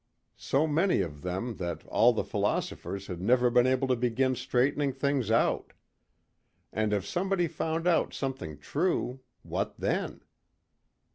So many of them that all the philosophers had never been able to begin straightening things out. And if somebody found out something true, what then?